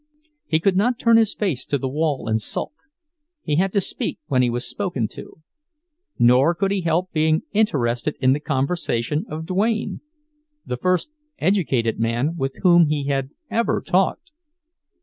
He could not turn his face to the wall and sulk, he had to speak when he was spoken to; nor could he help being interested in the conversation of Duane—the first educated man with whom he had ever talked.